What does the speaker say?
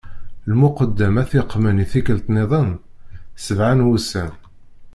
Lmuqeddem ad t-ikmen i tikkelt-nniḍen, sebɛa n wussan.